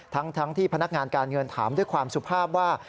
ทั้งที่พนักงานการเงินถามด้วยความสุภาพว่า